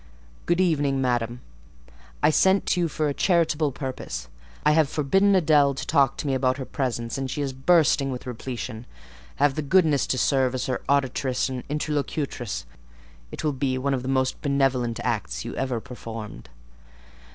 "Good evening, madam; I sent to you for a charitable purpose. I have forbidden Adèle to talk to me about her presents, and she is bursting with repletion; have the goodness to serve her as auditress and interlocutrice; it will be one of the most benevolent acts you ever performed."